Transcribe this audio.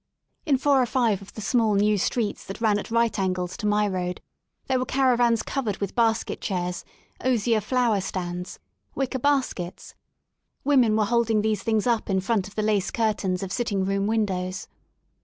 In four or five of the small new streets that ran at right angles to my road there were caravans covered with basket chairs, osier flower stands, wicker baskets ; women were holding these things up in front of the lace curtains of sitting room windows.